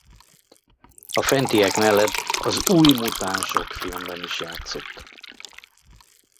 A fentiek mellett Az új mutánsok filmben is játszott.